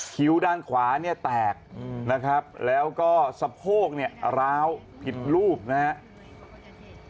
คิ้วด้านขวาเนี่ยแตกนะครับแล้วก็สะโพกเนี่ยร้าวผิดรูปนะครับ